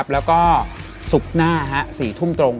แล้วก็ศุกร์หน้า๔ทุ่มตรง